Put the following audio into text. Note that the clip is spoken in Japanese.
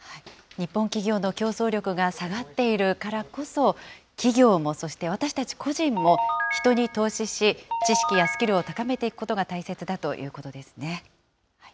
日本企業の競争力が下がっているからこそ、企業もそして私たち個人も、人に投資し、知識やスキルを高めていくことが大切だということですね。